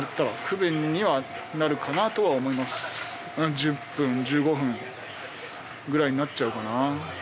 １０分１５分ぐらいになっちゃうかな。